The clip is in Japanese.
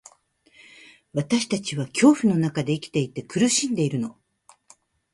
私たちは恐怖の中で生きていて、苦しんでいるの。